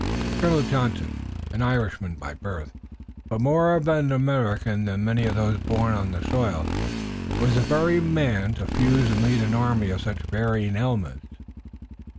Colonel Johnson, an Irishman by birth, but more of an American than many of those born on the soil, was the very man to fuse and lead an army of such varying elements.